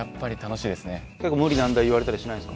無理難題言われたりしないんすか？